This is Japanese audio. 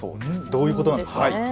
どういうことなんですか。